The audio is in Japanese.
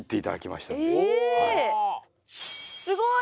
すごい。